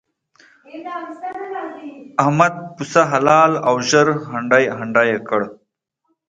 احمد پسه حلال او ژر هنډي هنډي کړ.